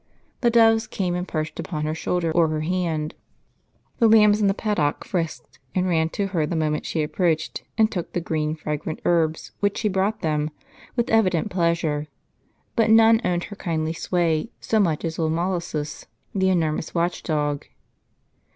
The doves came and perched ui)on her shoulder or her hand ; the lambs in the paddock frisked, and ran to her the moment she approached, and took the green fragrant herbs which she brought theai, with evident pleasure; but none owned her kindly sway so niucli as old Molossus, the enormous watchdog.